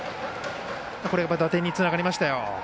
これも打点につながりましたよ。